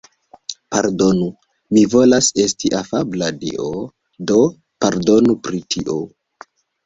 Pardonu. Mi volas esti afabla dio, do, pardonu pri tio.